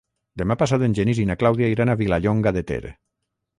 Demà passat en Genís i na Clàudia iran a Vilallonga de Ter.